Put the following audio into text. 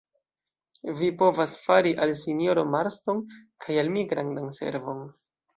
Vi povas fari al sinjoro Marston kaj al mi grandan servon.